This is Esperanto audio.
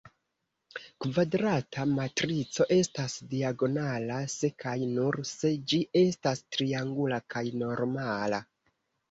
Kvadrata matrico estas diagonala se kaj nur se ĝi estas triangula kaj normala.